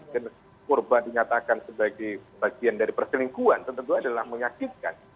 dan kurban dinyatakan sebagai bagian dari perselingkuhan tentu adalah menyakitkan